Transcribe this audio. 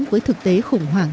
với thực tế khủng hoảng